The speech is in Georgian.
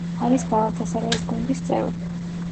არის გალათასარაის გუნდის წევრი.